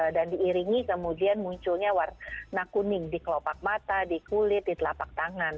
dan diiringi kemudian munculnya warna kuning di kelopak mata di kulit di telapak tangan